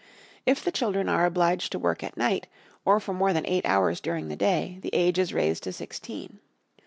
If the children are obliged to work at night, or for more than eight hours during the day, the age is raised to sixteen.